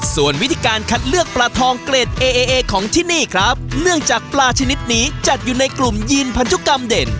ส่วนวิธีการคัดเลือกปลาทองเกรดเอเอของที่นี่ครับเนื่องจากปลาชนิดนี้จัดอยู่ในกลุ่มยีนพันธุกรรมเด่น